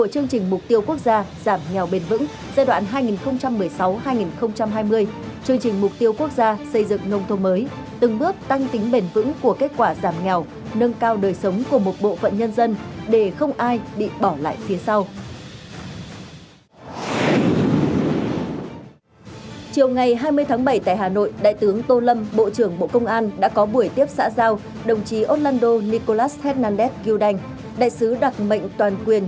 hãy đăng ký kênh để ủng hộ kênh của chúng mình nhé